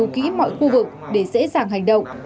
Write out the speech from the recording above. phúc đã nghiên cứu kỹ mọi khu vực để dễ dàng hành động